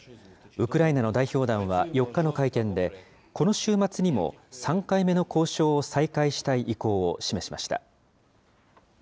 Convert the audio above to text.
ウクライナの代表団は４日の会見で、この週末にも、３回目の交渉を再開したい意向を示しました。